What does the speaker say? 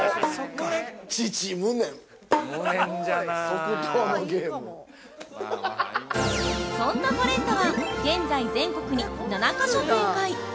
◆そんなフォレンタは現在、全国に７か所展開。